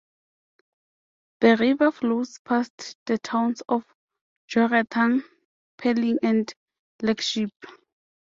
The river flows past the towns of Jorethang, Pelling and Legship.